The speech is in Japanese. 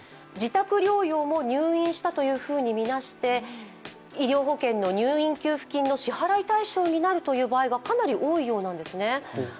自宅療養も入院したとみなして医療保険の入院給付金の支払い対象になるという場合がかなり多いようなんですね。